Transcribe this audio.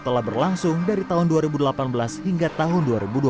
telah berlangsung dari tahun dua ribu delapan belas hingga tahun dua ribu dua puluh